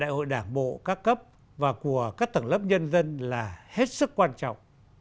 đại hội đảng bộ các cấp và của các tầng lớp nhân dân là hết sức quan trọng